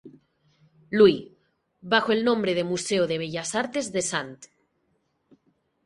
Louis, bajo el nombre de Museo de Bellas Artes de St.